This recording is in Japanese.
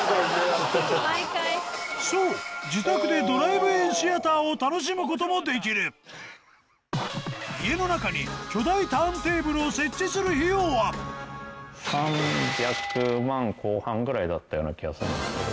そう自宅でドライブインシアターを楽しむこともできる家の中に巨大ターンテーブルを設置する費用はぐらいだったような気がするんですけど。